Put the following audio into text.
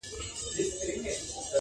• انساني کرامت تر سوال للاندي دی,